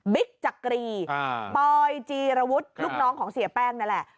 จักรีปอยจีรวุฒิลูกน้องของเสียแป้งนั่นแหละ